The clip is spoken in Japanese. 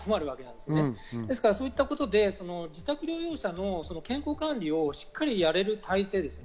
ですから、そういったことで自宅療養者の健康管理をしっかりやれる体制ですね。